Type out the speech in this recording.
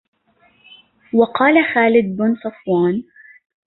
وَقَالَ خَالِدُ بْنُ صَفْوَانَ